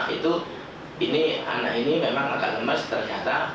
itu ini anak ini memang agak gemes ternyata